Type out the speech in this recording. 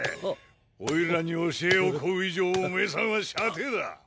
おいらに教えを乞う以上おめぇさんは舎弟だ。